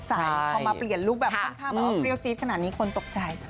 พอมาเปลี่ยนลุคแบบค่อนข้างแบบว่าเปรี้ยวจี๊ดขนาดนี้คนตกใจ